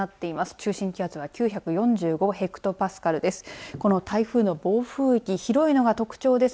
中心気圧は９４５ヘクトパスカルです。